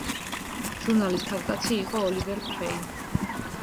ჟურნალის თავკაცი იყო ოლივერ ფრეი.